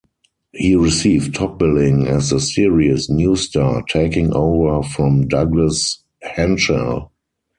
He received top billing as the series' new star, taking over from Douglas Henshall.